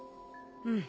うん。